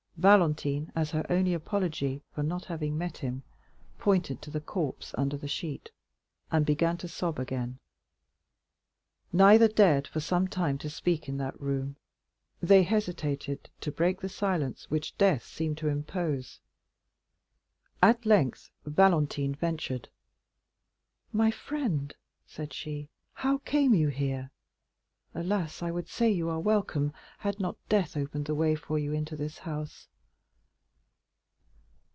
Valentine, as her only apology for not having met him, pointed to the corpse under the sheet, and began to sob again. Neither dared for some time to speak in that room. They hesitated to break the silence which death seemed to impose; at length Valentine ventured. "My friend," said she, "how came you here? Alas, I would say you are welcome, had not death opened the way for you into this house."